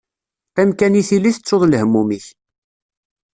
Qqim kan i tili tettuḍ lehmum-ik.